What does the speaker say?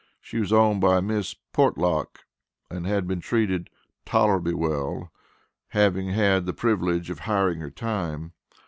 She was owned by a Miss Portlock, and had been treated "tolerably well," having had the privilege of hiring her time.